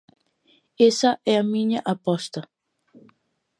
Esa é a miña aposta.